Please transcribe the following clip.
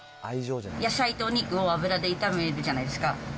野菜とお肉を油で炒めるじゃないですか。